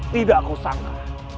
tidak aku sangka